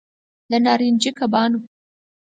د نارنجي کبانو